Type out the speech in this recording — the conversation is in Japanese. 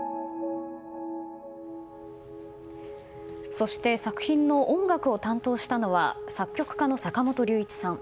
そして作品の音楽を担当したのは作曲家の坂本龍一さん。